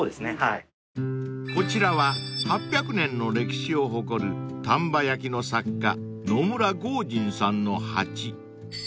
［こちらは８００年の歴史を誇る丹波焼の作家野村豪人さんの鉢］